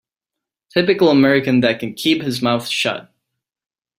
Typical American that can keep his mouth shut.